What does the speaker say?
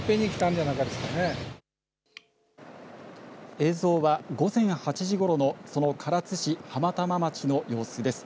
映像は午前８時ごろのその唐津市浜玉町の様子です。